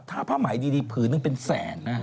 ถ้าภาพหมายดีผืนนั้นเป็นแสนนะครับ